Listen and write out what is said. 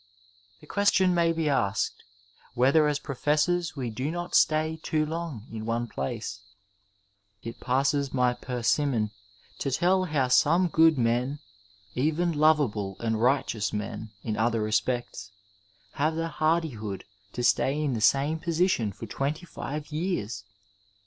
The question may be asked— whether as professors we do not stay too long in one place. It passes my persimmon to tell how some good men — even lovable and righteous men in other respects — ^have the hardihood to stay in the same position for twenty five years